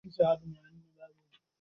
lakini hazina udhamani wa ule mgodi